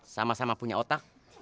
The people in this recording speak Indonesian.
sama sama punya otak